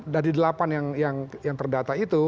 dari delapan yang terdata itu